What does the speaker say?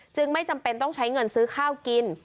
ไม่จำเป็นต้องใช้เงินซื้อข้าวกิน